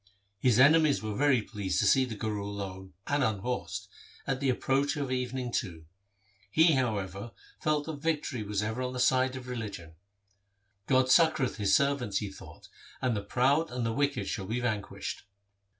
His enemies were very pleased to see the Guru alone and unhorsed, at the approach of evening too. He, however, felt that victory was ever on the side of religion, ' God succoureth His servants,' he thought, ' and the proud and the wicked shall be vanquished.'